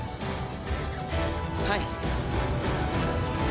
はい！